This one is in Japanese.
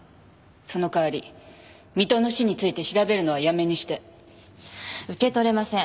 その代わり水戸の死について調べるの受け取れません